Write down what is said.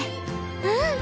うん。